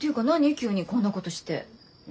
急にこんなことして。え？